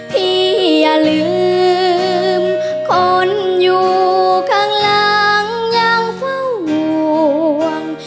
อย่าลืมคนอยู่ข้างหลังยังเฝ้าห่วง